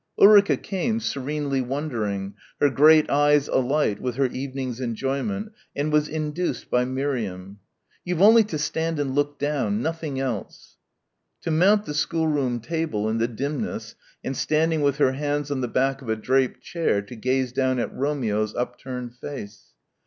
Ulrica came, serenely wondering, her great eyes alight with her evening's enjoyment and was induced by Miriam. "You've only to stand and look down nothing else." To mount the schoolroom table in the dimness and standing with her hands on the back of a draped chair to gaze down at Romeo's upturned face.